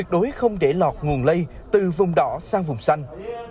đối không để lọt nguồn lây từ vùng đỏ sang vùng xanh